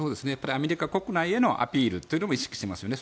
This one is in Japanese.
アメリカ国内へのアピールというのも意識してますよね。